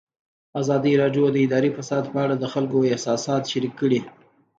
ازادي راډیو د اداري فساد په اړه د خلکو احساسات شریک کړي.